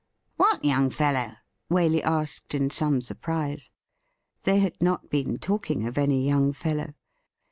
' What young fellow .?' Waley asked in some surprise. They had not been talking of any young fellow.